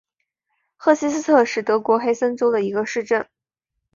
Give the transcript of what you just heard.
赫希斯特是德国黑森州的一个市镇。